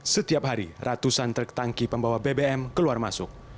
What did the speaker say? setiap hari ratusan truk tangki pembawa bbm keluar masuk